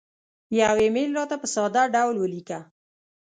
یو ایمیل راته په ساده ډول ولیکه